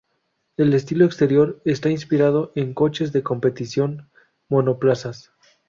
El estilo exterior está inspirado en coches de competición monoplazas.